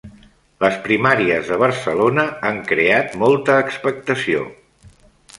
Les primàries de Barcelona han creat molta expectació